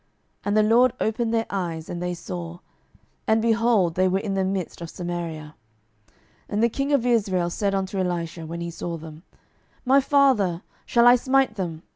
And the LORD opened their eyes, and they saw; and, behold, they were in the midst of Samaria. 12:006:021 And the king of Israel said unto Elisha, when he saw them, My father, shall I smite them?